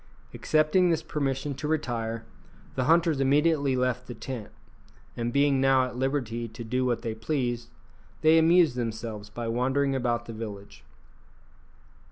Accepting this permission to retire, the hunters immediately left the tent; and being now at liberty to do what they pleased, they amused themselves by wandering about the village.